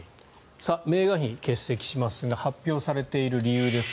メーガン妃、欠席しますが発表されている理由です。